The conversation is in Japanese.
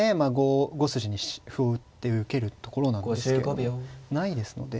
５筋に歩を打って受けるところなんですけどもないですので。